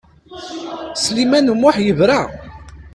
Sliman U Muḥ yebra.